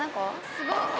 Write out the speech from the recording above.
すごっ。